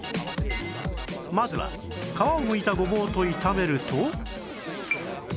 まずは皮をむいたごぼうと炒めると